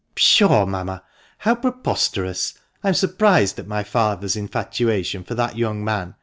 " Pshaw, mamma ? how preposterous ! I am surprised at my father's infatuation for that young man.